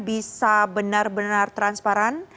bisa benar benar transparan